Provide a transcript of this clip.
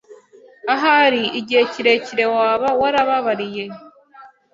Ahari igihe kirekire waba warababariye